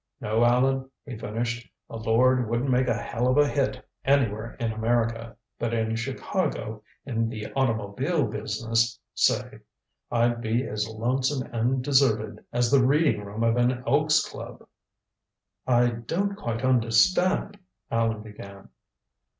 "No, Allan," he finished, "a lord wouldn't make a hell of a hit anywhere in America, but in Chicago, in the automobile business say, I'd be as lonesome and deserted as the reading room of an Elks' Club." "I don't quite understand " Allan began.